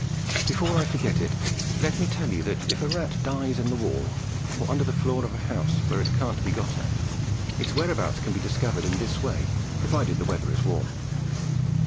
Before I forget it, let me tell you that if a rat dies in the wall, or under the floor of a house where it can't be got at, its whereabouts can be discovered in this way, provided the weather is warm.